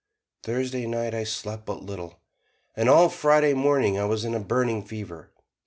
Thursday night I slept but little, and all Friday morning I was in a burning fever.